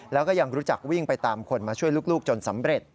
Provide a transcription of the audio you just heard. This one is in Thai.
แล้วก็ยังรู้จักวิ่งไปตามคนมาช่วยลูกจนสำเร็จ